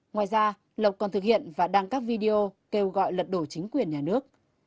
ngoài ra lộc còn thực hiện và đăng các video kêu gọi lật đổ chính quyền nhà nước